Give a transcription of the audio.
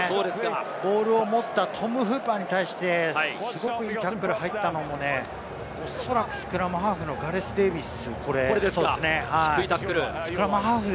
ボールを持ったトム・フーパーに対して、すごくいいタックルが入ったのもおそらくスクラムハーフのガレス・デーヴィス。